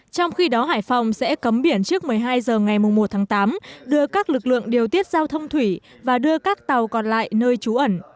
trong khi đó hải phòng sẽ cấm biển trước một mươi hai h ngày một tháng tám đưa các lực lượng điều tiết giao thông thủy và đưa các tàu còn lại nơi trú ẩn